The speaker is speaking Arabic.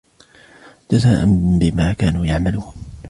جَزَاءً بِمَا كَانُوا يَعْمَلُونَ